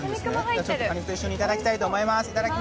じゃあ果肉と一緒にいただきたいと思います。